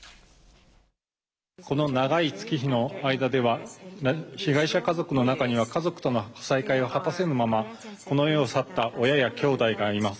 この長い月日の間では、被害者家族の中には、家族との再会を果たせぬまま、この世を去った親やきょうだいがいます。